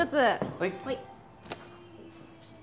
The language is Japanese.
はい。